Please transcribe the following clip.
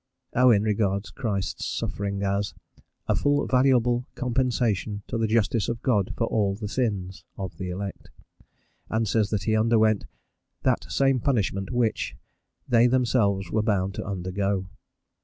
Owen regards Christ's sufferings as "a full valuable compensation to the justice of God for all the sins" of the elect, and says that he underwent "that same punishment which.... they themselves were bound to undergo."